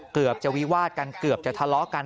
เกือบจะวิวาดกันเกือบจะทะเลาะกัน